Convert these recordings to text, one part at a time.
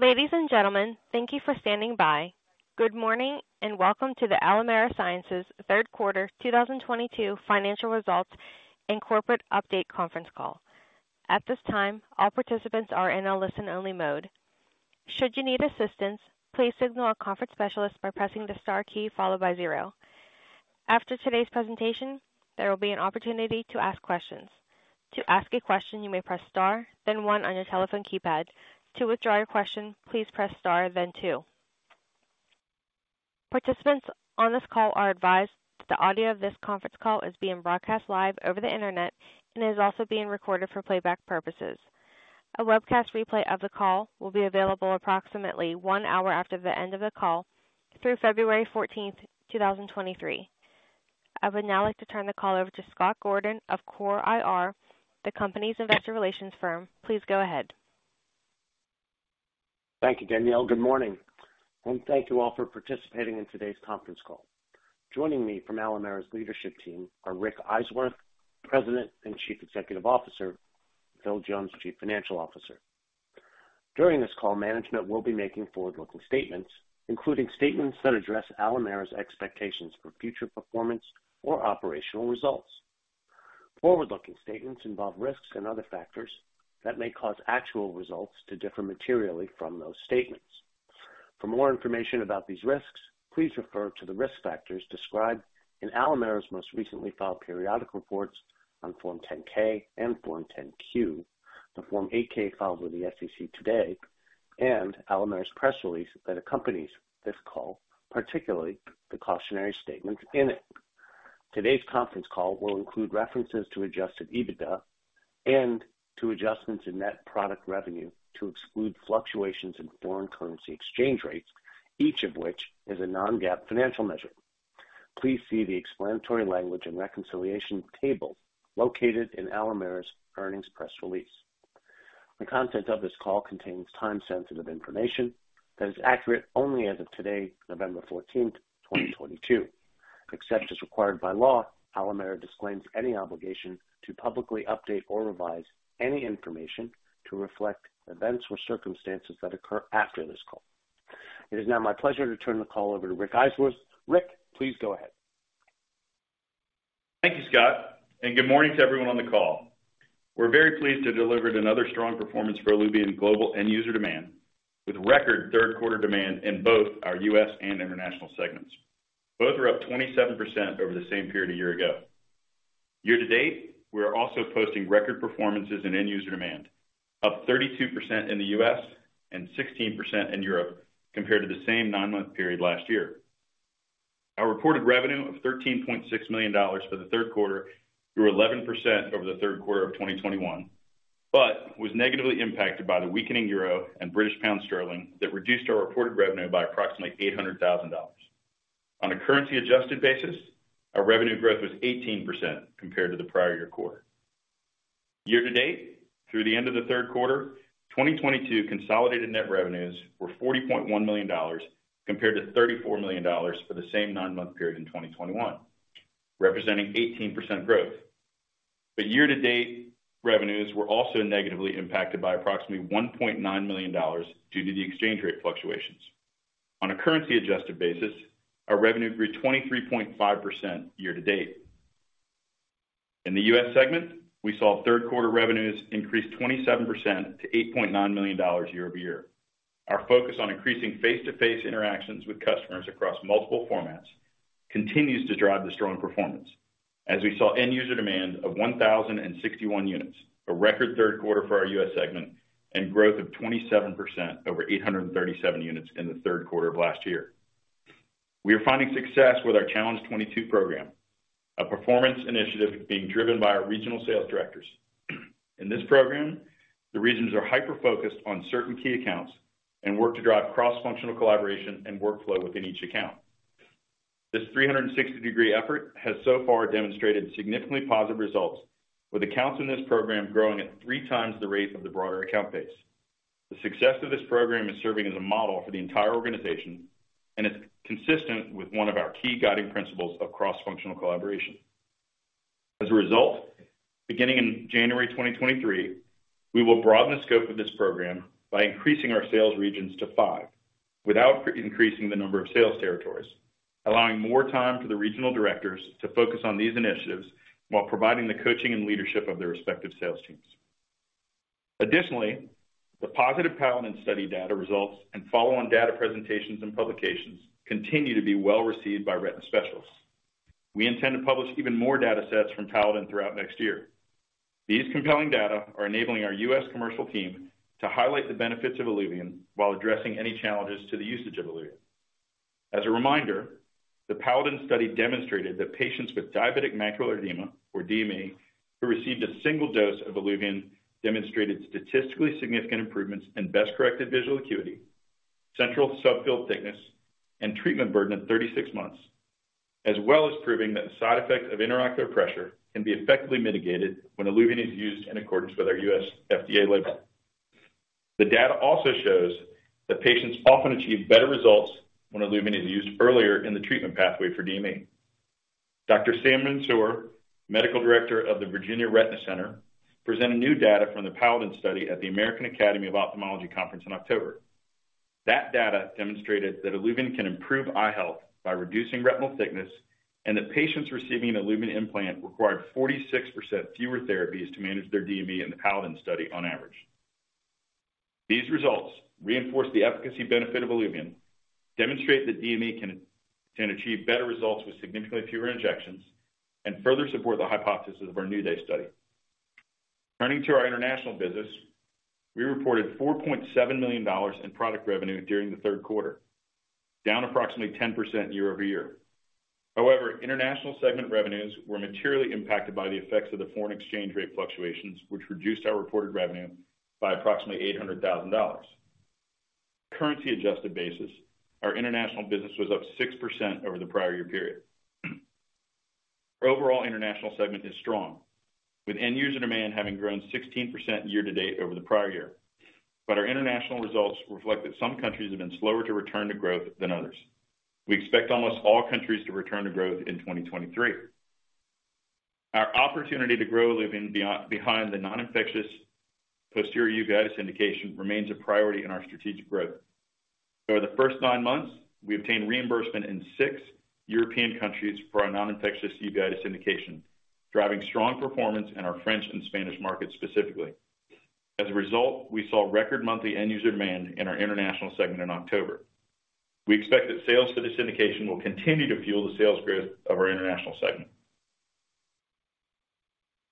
Ladies and gentlemen, thank you for standing by. Good morning, and welcome to the Alimera Sciences third quarter 2022 financial results and corporate update conference call. At this time, all participants are in a listen-only mode. Should you need assistance, please signal our conference specialist by pressing the star key followed by zero. After today's presentation, there will be an opportunity to ask questions. To ask a question, you may press star then one on your telephone keypad. To withdraw your question, please press star then two. Participants on this call are advised that the audio of this conference call is being broadcast live over the Internet and is also being recorded for playback purposes. A webcast replay of the call will be available approximately one hour after the end of the call through February 14, 2023. I would now like to turn the call over to Scott Gordon of CORE IR, the company's investor relations firm. Please go ahead. Thank you, Danielle. Good morning, and thank you all for participating in today's conference call. Joining me from Alimera's leadership team are Rick Eiswirth, President and Chief Executive Officer, and J. Philip Jones, Chief Financial Officer. During this call, management will be making forward-looking statements, including statements that address Alimera's expectations for future performance or operational results. Forward-looking statements involve risks and other factors that may cause actual results to differ materially from those statements. For more information about these risks, please refer to the risk factors described in Alimera's most recently filed periodic reports on Form 10-K and Form 10-Q, the Form 8-K filed with the SEC today, and Alimera's press release that accompanies this call, particularly the cautionary statements in it. Today's conference call will include references to adjusted EBITDA and to adjustments in net product revenue to exclude fluctuations in foreign currency exchange rates, each of which is a non-GAAP financial measure. Please see the explanatory language and reconciliation table located in Alimera's earnings press release. The content of this call contains time-sensitive information that is accurate only as of today, November fourteenth, twenty twenty-two. Except as required by law, Alimera disclaims any obligation to publicly update or revise any information to reflect events or circumstances that occur after this call. It is now my pleasure to turn the call over to Rick Eiswirth. Rick, please go ahead. Thank you, Scott, and good morning to everyone on the call. We're very pleased to deliver another strong performance for ILUVIEN global end user demand, with record third quarter demand in both our U.S. and international segments. Both are up 27% over the same period a year ago. Year-to-date, we are also posting record performances in end user demand, up 32% in the U.S. and 16% in Europe compared to the same nine-month period last year. Our reported revenue of $13.6 million for the third quarter grew 11% over the third quarter of 2021, but was negatively impacted by the weakening Euro and British pound sterling that reduced our reported revenue by approximately $800,000. On a currency-adjusted basis, our revenue growth was 18% compared to the prior year quarter. Year-to-date, through the end of the third quarter, 2022 consolidated net revenues were $40.1 million compared to $34 million for the same nine-month period in 2021, representing 18% growth. Year-to-date, revenues were also negatively impacted by approximately $1.9 million due to the exchange rate fluctuations. On a currency-adjusted basis, our revenue grew 23.5% year-to-date. In the U.S. segment, we saw third quarter revenues increase 27% to $8.9 million year-over-year. Our focus on increasing face-to-face interactions with customers across multiple formats continues to drive the strong performance as we saw end user demand of 1,061 units, a record third quarter for our U.S. segment and growth of 27% over 837 units in the third quarter of last year. We are finding success with our Challenge 22 program, a performance initiative being driven by our regional sales directors. In this program, the regions are hyper-focused on certain key accounts and work to drive cross-functional collaboration and workflow within each account. This 360-degree effort has so far demonstrated significantly positive results, with accounts in this program growing at three times the rate of the broader account base. The success of this program is serving as a model for the entire organization, and it's consistent with one of our key guiding principles of cross-functional collaboration. As a result, beginning in January 2023, we will broaden the scope of this program by increasing our sales regions to five without increasing the number of sales territories, allowing more time for the regional directors to focus on these initiatives while providing the coaching and leadership of their respective sales teams. Additionally, the positive PALADIN study data results and follow-on data presentations and publications continue to be well received by retina specialists. We intend to publish even more data sets from PALADIN throughout next year. These compelling data are enabling our U.S. commercial team to highlight the benefits of ILUVIEN while addressing any challenges to the usage of ILUVIEN. As a reminder, the PALADIN study demonstrated that patients with diabetic macular edema or DME who received a single dose of ILUVIEN demonstrated statistically significant improvements in best-corrected visual acuity, central subfield thickness, and treatment burden at 36 months, as well as proving that the side effect of intraocular pressure can be effectively mitigated when ILUVIEN is used in accordance with our U.S. FDA label. The data also shows that patients often achieve better results when ILUVIEN is used earlier in the treatment pathway for DME. Dr. Sam Mansour, Medical Director of The Virginia Retina Center, presented new data from the PALADIN study at the American Academy of Ophthalmology Conference in October. That data demonstrated that ILUVIEN can improve eye health by reducing retinal thickness, and that patients receiving an ILUVIEN implant required 46% fewer therapies to manage their DME in the PALADIN study on average. These results reinforce the efficacy benefit of ILUVIEN, demonstrate that DME can achieve better results with significantly fewer injections, and further support the hypothesis of our NEW DAY study. Turning to our international business, we reported $4.7 million in product revenue during the third quarter, down approximately 10% year-over-year. However, international segment revenues were materially impacted by the effects of the foreign exchange rate fluctuations, which reduced our reported revenue by approximately $800,000. Currency-adjusted basis, our international business was up 6% over the prior year period. Our overall international segment is strong, with end user demand having grown 16% year-to-date over the prior year. Our international results reflect that some countries have been slower to return to growth than others. We expect almost all countries to return to growth in 2023. Our opportunity to grow ILUVIEN beyond the non-infectious posterior uveitis indication remains a priority in our strategic growth. For the first nine months, we obtained reimbursement in six European countries for our non-infectious uveitis indication, driving strong performance in our French and Spanish markets specifically. As a result, we saw record monthly end user demand in our international segment in October. We expect that sales for this indication will continue to fuel the sales growth of our international segment.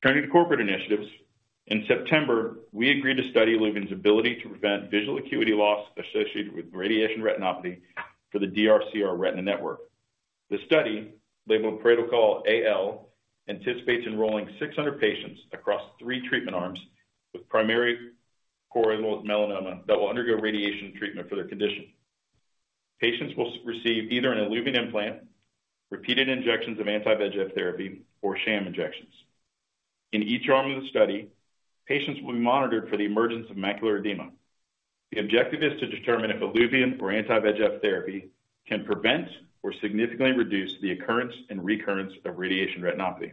Turning to corporate initiatives, in September, we agreed to study ILUVIEN's ability to prevent visual acuity loss associated with radiation retinopathy for the DRCR Retina Network. The study, labeled Protocol AL, anticipates enrolling 600 patients across three treatment arms with primary choroidal melanoma that will undergo radiation treatment for their condition. Patients will receive either an ILUVIEN implant, repeated injections of anti-VEGF therapy, or sham injections. In each arm of the study, patients will be monitored for the emergence of macular edema. The objective is to determine if ILUVIEN or anti-VEGF therapy can prevent or significantly reduce the occurrence and recurrence of radiation retinopathy.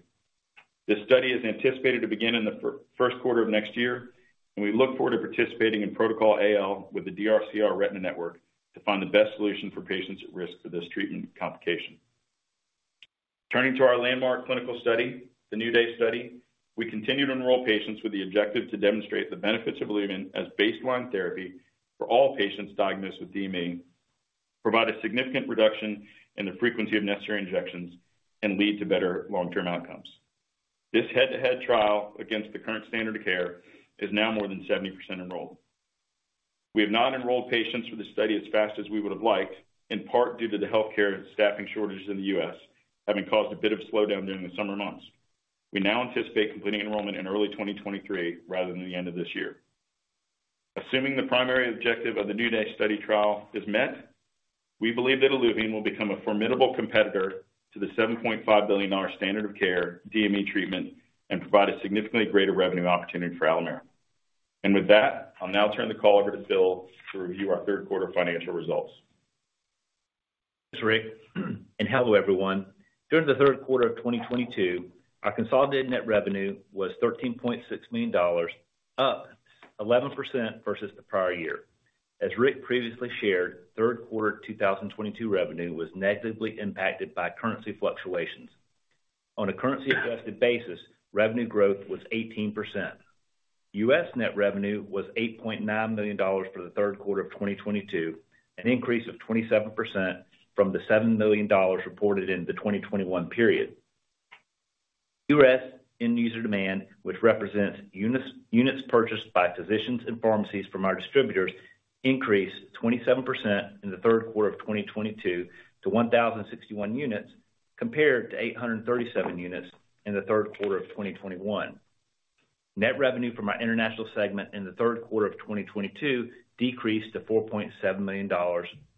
This study is anticipated to begin in the first quarter of next year, and we look forward to participating in Protocol AL with the DRCR Retina Network to find the best solution for patients at risk for this treatment complication. Turning to our landmark clinical study, the NEW DAY study, we continue to enroll patients with the objective to demonstrate the benefits of ILUVIEN as baseline therapy for all patients diagnosed with DME, provide a significant reduction in the frequency of necessary injections, and lead to better long-term outcomes. This head-to-head trial against the current standard of care is now more than 70% enrolled. We have not enrolled patients for this study as fast as we would have liked, in part due to the healthcare staffing shortages in the U.S. having caused a bit of slowdown during the summer months. We now anticipate completing enrollment in early 2023 rather than the end of this year. Assuming the primary objective of the NEW DAY study trial is met, we believe that ILUVIEN will become a formidable competitor to the $7.5 billion standard of care DME treatment and provide a significantly greater revenue opportunity for Alimera. With that, I'll now turn the call over to Phil Jones to review our third quarter financial results. Thanks, Rick, and hello, everyone. During the third quarter of 2022, our consolidated net revenue was $13.6 million, up 11% versus the prior year. As Rick previously shared, third quarter 2022 revenue was negatively impacted by currency fluctuations. On a currency-adjusted basis, revenue growth was 18%. U.S. net revenue was $8.9 million for the third quarter of 2022, an increase of 27% from the $7 million reported in the 2021 period. U.S. end user demand, which represents units purchased by physicians and pharmacies from our distributors, increased 27% in the third quarter of 2022 to 1,061 units, compared to 837 units in the third quarter of 2021. Net revenue from our international segment in the third quarter of 2022 decreased to $4.7 million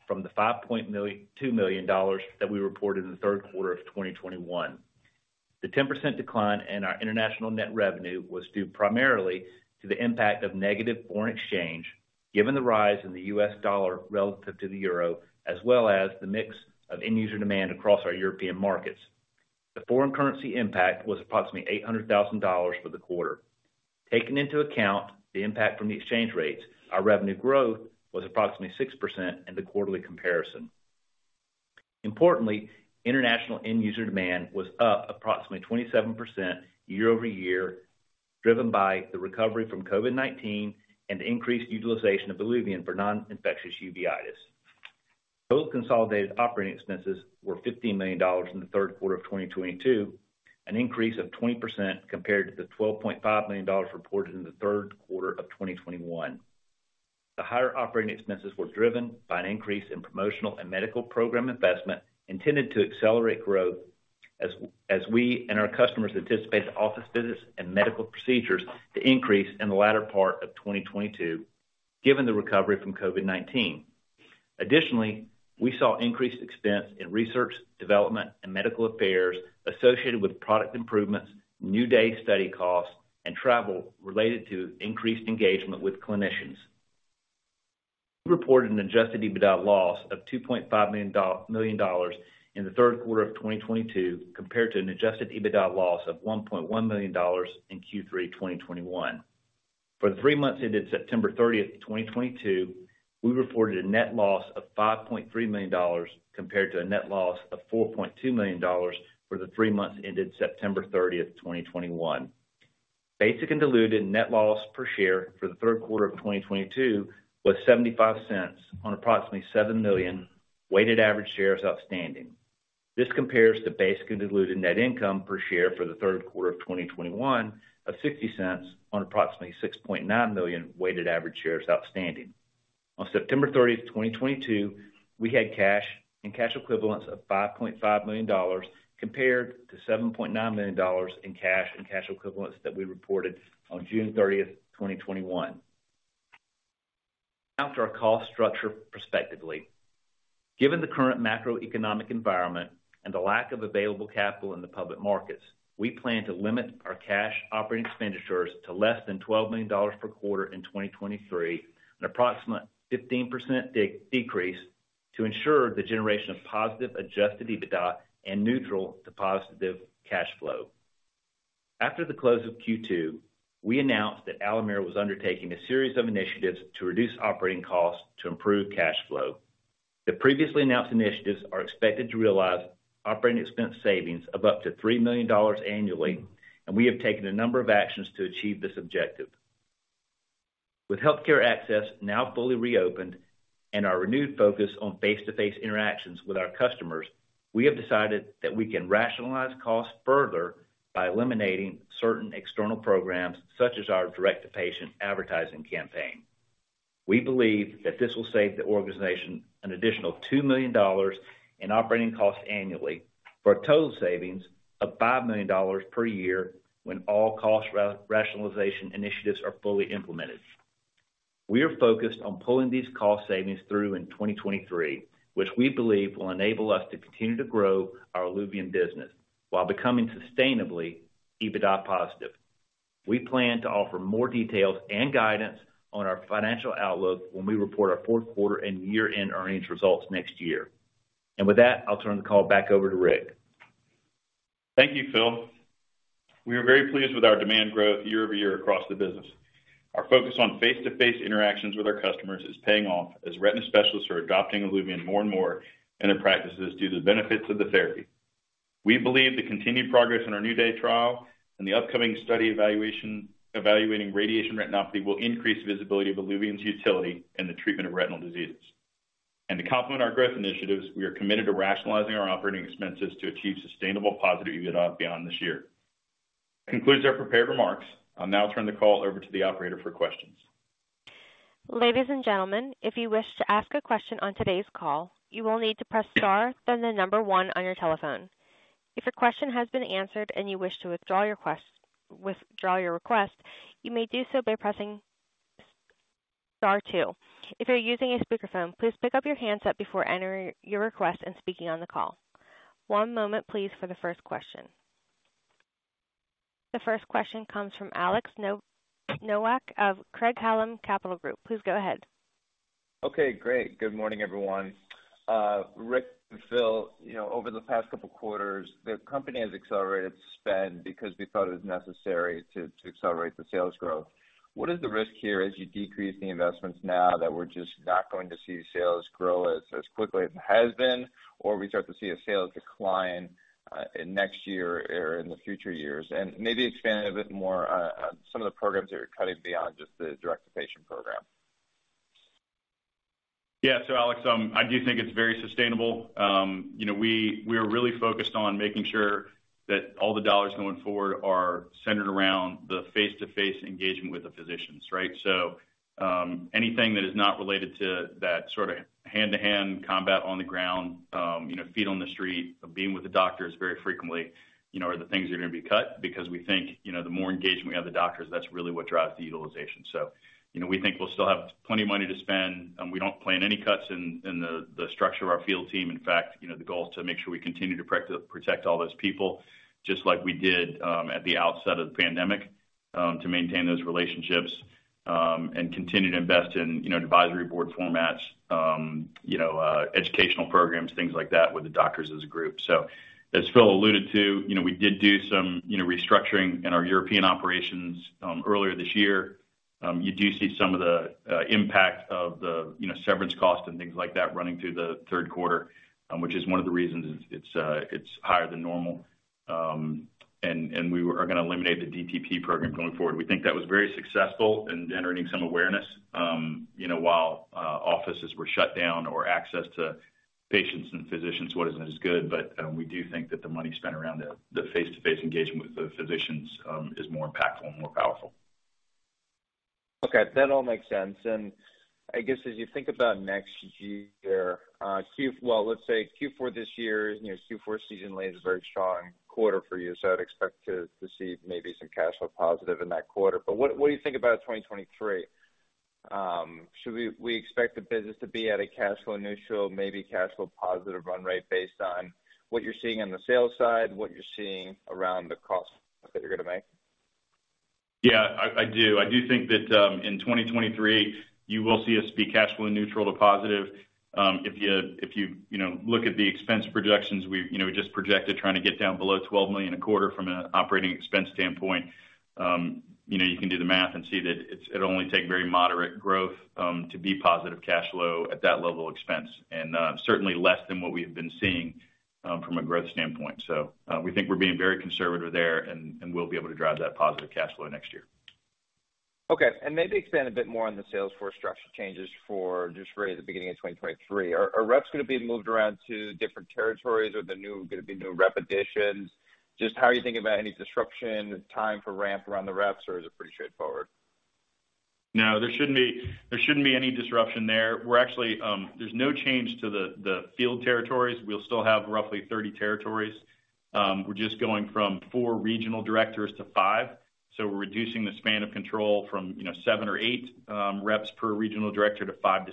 from the $5.2 million that we reported in the third quarter of 2021. The 10% decline in our international net revenue was due primarily to the impact of negative foreign exchange, given the rise in the U.S. dollar relative to the euro, as well as the mix of end user demand across our European markets. The foreign currency impact was approximately $800,000 for the quarter. Taking into account the impact from the exchange rates, our revenue growth was approximately 6% in the quarterly comparison. Importantly, international end user demand was up approximately 27% year-over-year, driven by the recovery from COVID-19 and the increased utilization of ILUVIEN for non-infectious uveitis. Total consolidated operating expenses were $15 million in the third quarter of 2022, an increase of 20% compared to the $12.5 million reported in the third quarter of 2021. The higher operating expenses were driven by an increase in promotional and medical program investment intended to accelerate growth as we and our customers anticipate office visits and medical procedures to increase in the latter part of 2022, given the recovery from COVID-19. Additionally, we saw increased expense in research, development, and medical affairs associated with product improvements, NEW DAY study costs, and travel related to increased engagement with clinicians. We reported an adjusted EBITDA loss of $2.5 million in the third quarter of 2022 compared to an adjusted EBITDA loss of $1.1 million in Q3 2021. For the three months ended September 30, 2022, we reported a net loss of $5.3 million compared to a net loss of $4.2 million for the three months ended September 30, 2021. Basic and diluted net loss per share for the third quarter of 2022 was $0.75 on approximately 7 million weighted average shares outstanding. This compares to basic and diluted net loss per share for the third quarter of 2021 of $0.60 on approximately 6.9 million weighted average shares outstanding. On September 30, 2022, we had cash and cash equivalents of $5.5 million compared to $7.9 million in cash and cash equivalents that we reported on June 30, 2022. Now to our cost structure prospectively. Given the current macroeconomic environment and the lack of available capital in the public markets, we plan to limit our cash operating expenditures to less than $12 million per quarter in 2023, an approximate 15% decrease to ensure the generation of positive adjusted EBITDA and neutral to positive cash flow. After the close of Q2, we announced that Alimera was undertaking a series of initiatives to reduce operating costs to improve cash flow. The previously announced initiatives are expected to realize operating expense savings of up to $3 million annually, and we have taken a number of actions to achieve this objective. With healthcare access now fully reopened and our renewed focus on face-to-face interactions with our customers, we have decided that we can rationalize costs further by eliminating certain external programs such as our direct-to-patient advertising campaign. We believe that this will save the organization an additional $2 million in operating costs annually for a total savings of $5 million per year when all cost rationalization initiatives are fully implemented. We are focused on pulling these cost savings through in 2023, which we believe will enable us to continue to grow our ILUVIEN business while becoming sustainably EBITDA positive. We plan to offer more details and guidance on our financial outlook when we report our fourth quarter and year-end earnings results next year. With that, I'll turn the call back over to Rick. Thank you, Phil. We are very pleased with our demand growth year-over-year across the business. Our focus on face-to-face interactions with our customers is paying off as retina specialists are adopting ILUVIEN more and more in their practices due to the benefits of the therapy. We believe the continued progress in our NEW DAY trial and the upcoming study evaluating radiation retinopathy will increase visibility of ILUVIEN's utility in the treatment of retinal diseases. We are committed to rationalizing our operating expenses to achieve sustainable positive EBITDA beyond this year. That concludes our prepared remarks. I'll now turn the call over to the operator for questions. Ladies and gentlemen, if you wish to ask a question on today's call, you will need to press star, then one on your telephone. If your question has been answered and you wish to withdraw your request, you may do so by pressing star two. If you're using a speakerphone, please pick up your handset before entering your request and speaking on the call. One moment please for the first question. The first question comes from Alex Nowak of Craig-Hallum Capital Group. Please go ahead. Okay, great. Good morning, everyone. Rick and Phil, you know, over the past couple quarters, the company has accelerated spend because we thought it was necessary to accelerate the sales growth. What is the risk here as you decrease the investments now that we're just not going to see sales grow as quickly as it has been or we start to see a sales decline in next year or in the future years? Maybe expand a bit more on some of the programs that are cutting beyond just the direct-to-patient program. Yeah. Alex, I do think it's very sustainable. You know, we are really focused on making sure that all the dollars going forward are centered around the face-to-face engagement with the physicians, right? Anything that is not related to that sort of hand-to-hand combat on the ground, you know, feet on the street, being with the doctors very frequently, you know, are the things that are gonna be cut because we think, you know, the more engagement we have with the doctors, that's really what drives the utilization. You know, we think we'll still have plenty of money to spend, and we don't plan any cuts in the structure of our field team. In fact, you know, the goal is to make sure we continue to protect all those people just like we did at the outset of the pandemic, to maintain those relationships, and continue to invest in, you know, advisory board formats, you know, educational programs, things like that with the doctors as a group. As Phil alluded to, you know, we did do some, you know, restructuring in our European operations earlier this year. You do see some of the impact of the, you know, severance cost and things like that running through the third quarter, which is one of the reasons it's higher than normal. We are gonna eliminate the DTP program going forward. We think that was very successful in generating some awareness, you know, while offices were shut down or access to patients and physicians wasn't as good. We do think that the money spent around the face-to-face engagement with the physicians is more impactful and more powerful. Okay. That all makes sense. I guess as you think about next year, well, let's say Q4 this year, you know, Q4 seasonally is a very strong quarter for you, so I'd expect to see maybe some cash flow positive in that quarter. What do you think about 2023? Should we expect the business to be at a cash flow neutral, maybe cash flow positive run rate based on what you're seeing on the sales side, what you're seeing around the cost that you're gonna make? Yeah, I do think that in 2023 you will see us be cash flow neutral to positive. If you you know look at the expense projections, we you know just projected trying to get down below $12 million a quarter from an operating expense standpoint. You know, you can do the math and see that it'll only take very moderate growth to be positive cash flow at that level expense, and certainly less than what we have been seeing from a growth standpoint. We think we're being very conservative there, and we'll be able to drive that positive cash flow next year. Okay. Maybe expand a bit more on the sales force structure changes for just really the beginning of 2023. Are reps gonna be moved around to different territories or gonna be new rep additions? Just how are you thinking about any disruption, time for ramp around the reps, or is it pretty straightforward? No, there shouldn't be any disruption there. We're actually. There's no change to the field territories. We'll still have roughly 30 territories. We're just going from four regional directors to five, so we're reducing the span of control from, you know, seven or eight reps per regional director to 5-6.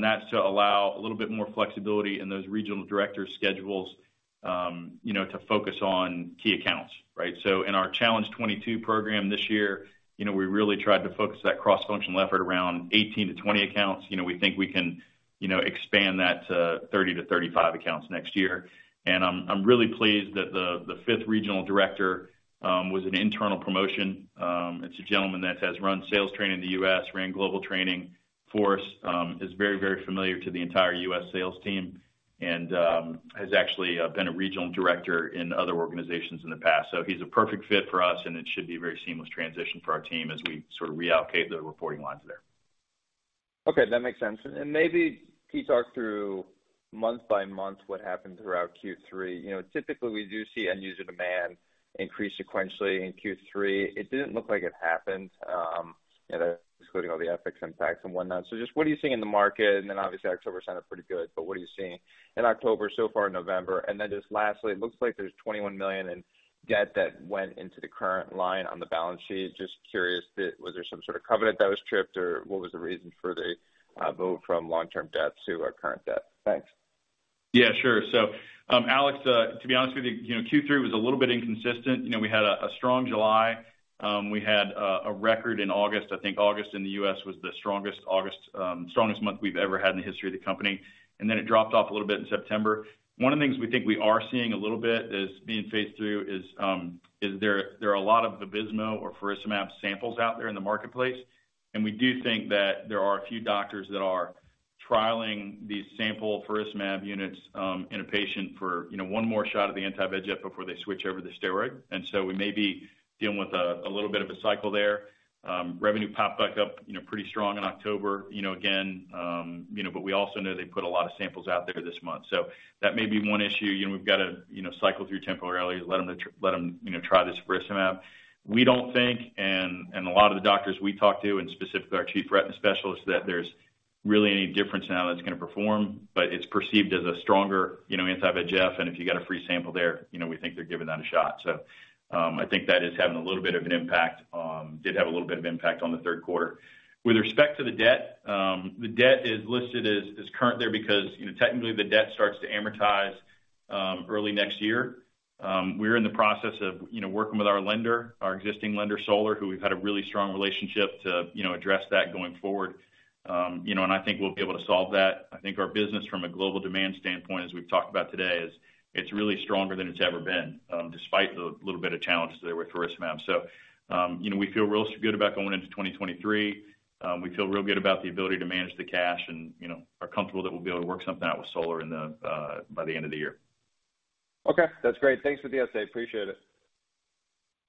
That's to allow a little bit more flexibility in those regional director schedules, you know, to focus on key accounts, right? In our Challenge 22 program this year, you know, we really tried to focus that cross-functional effort around 18-20 accounts. You know, we think we can, you know, expand that to 30-35 accounts next year. I'm really pleased that the fifth regional director was an internal promotion. It's a gentleman that has run sales training in the U.S., ran global training for us, is very, very familiar to the entire U.S. sales team and has actually been a regional director in other organizations in the past. He's a perfect fit for us and it should be a very seamless transition for our team as we sort of reallocate the reporting lines there. Okay, that makes sense. Maybe can you talk through month by month what happened throughout Q3. You know, typically we do see end user demand increase sequentially in Q3. It didn't look like it happened. You know, excluding all the FX impacts and whatnot. Just what are you seeing in the market? Then obviously October sounded pretty good, but what are you seeing in October, so far in November? Then just lastly, it looks like there's $21 million in debt that went into the current line on the balance sheet. Just curious, was there some sort of covenant that was tripped or what was the reason for the move from long-term debt to our current debt? Thanks. Yeah, sure. Alex, to be honest with you know, Q3 was a little bit inconsistent. You know, we had a strong July. We had a record in August. I think August in the U.S. was the strongest August, strongest month we've ever had in the history of the company. Then it dropped off a little bit in September. One of the things we think we are seeing a little bit is that there are a lot of the Vabysmo or faricimab samples out there in the marketplace. We do think that there are a few doctors that are trialing these sample faricimab units in a patient for, you know, one more shot of the anti-VEGF before they switch over to the steroid. We may be dealing with a little bit of a cycle there. Revenue popped back up, you know, pretty strong in October, you know, again, you know. But we also know they put a lot of samples out there this month. That may be one issue. You know, we've got to, you know, cycle through temporarily, let them, you know, try this faricimab. We don't think, a lot of the doctors we talk to, and specifically our chief retina specialist, that there's really any difference in how that's gonna perform. But it's perceived as a stronger, you know, anti-VEGF. If you get a free sample there, you know, we think they're giving that a shot. I think that is having a little bit of an impact. Did have a little bit of impact on the third quarter. With respect to the debt, the debt is listed as current there because, you know, technically the debt starts to amortize early next year. We're in the process of, you know, working with our lender, our existing lender, Solar, who we've had a really strong relationship to, you know, address that going forward. I think we'll be able to solve that. I think our business from a global demand standpoint, as we've talked about today, is, it's really stronger than it's ever been, despite the little bit of challenges there with faricimab. We feel real good about going into 2023. We feel real good about the ability to manage the cash and, you know, are comfortable that we'll be able to work something out with Solar Capital by the end of the year. Okay. That's great. Thanks for the update. Appreciate it.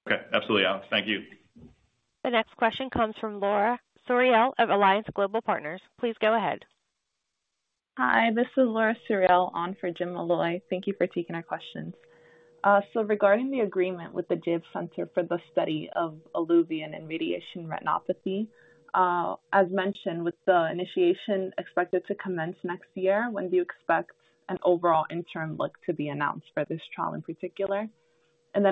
Okay. Absolutely, Alex. Thank you. The next question comes from Laura Suriel of Alliance Global Partners. Please go ahead. Hi, this is Laura Suriel on for Jim Molloy. Thank you for taking our questions. Regarding the agreement with the Jaeb Center for the Study of ILUVIEN and radiation retinopathy, as mentioned, with the initiation expected to commence next year, when do you expect an overall interim look to be announced for this trial in particular?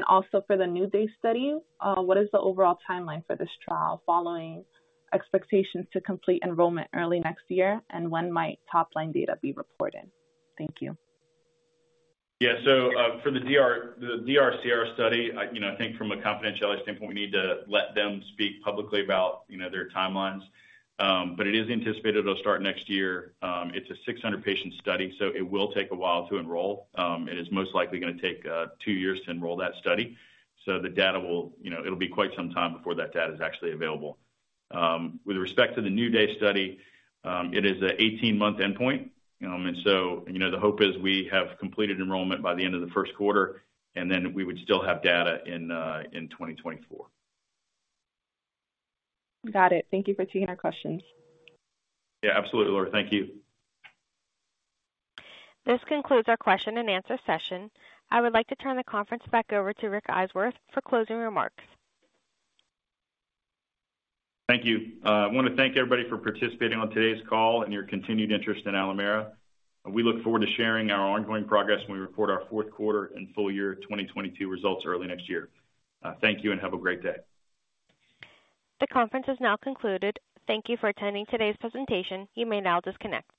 Also for the NEW DAY study, what is the overall timeline for this trial following expectations to complete enrollment early next year, and when might top line data be reported? Thank you. Yeah. For the DRCR study, you know, I think from a confidentiality standpoint, we need to let them speak publicly about, you know, their timelines. It is anticipated it will start next year. It is a 600-patient study, so it will take a while to enroll. It is most likely gonna take two years to enroll that study. The data will, you know, it will be quite some time before that data is actually available. With respect to the New Day study, it is a 18-month endpoint. You know, the hope is we have completed enrollment by the end of the first quarter, and then we would still have data in 2024. Got it. Thank you for taking our questions. Yeah, absolutely, Laura. Thank you. This concludes our question and answer session. I would like to turn the conference back over to Rick Eiswirth for closing remarks. Thank you. I wanna thank everybody for participating on today's call and your continued interest in Alimera. We look forward to sharing our ongoing progress when we report our fourth quarter and full year 2022 results early next year. Thank you and have a great day. The conference has now concluded. Thank you for attending today's presentation. You may now disconnect.